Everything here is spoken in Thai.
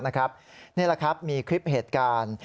นี่แหละครับมีคลิปเหตุการณ์